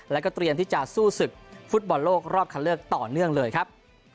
แล้วก็เตรียมที่จะสู้ศึกฟุตบอลโลกรอบคันเลือกต่อเนื่องเลยครับ